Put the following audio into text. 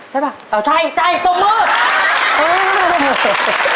ใช่ป่ะเออใช่ใช่ตบมือ